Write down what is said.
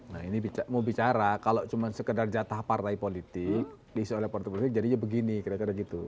nah ini mau bicara kalau cuma sekedar jatah partai politik diisi oleh partai politik jadinya begini kira kira gitu